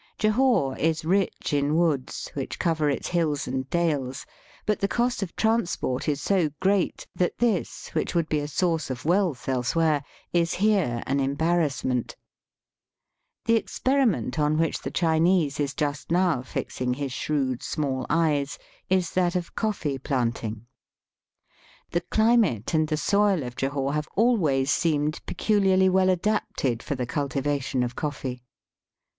Jahore is rich in woods, which cover its hills and dales, but the cost of transport is so great that this, which would be a source of wealth elsewhere, is here an embarrassment. The experiment on which the Chinese is just now fixing his shrewd small eyes is that of coffee planting. The climate and the soil of Jahore have always seemed peculiarly well adapted for the cultivation of coffee.